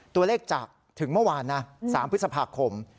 ตัวเลขจากถึงเมื่อวานนะ๓พฤษภาคม